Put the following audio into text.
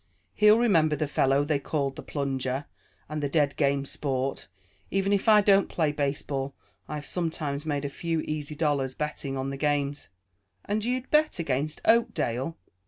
He'll remember the fellow they called 'the plunger,' and 'the dead game sport.' Even if I don't play baseball, I've sometimes made a few easy dollars betting on the games." "And you'd bet against Oakdale?"